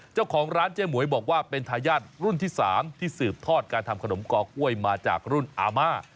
เจ้าของร้านเจ๊หมวยบอกว่าเป็นทายาทรุ่นที่๓ที่สืบทอดการทำขนมกอกล้วยมาจากรุ่นอาม่า